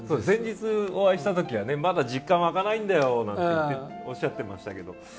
先日、お会いしたときはまだ実感湧かないんだよとおっしゃってましたけど。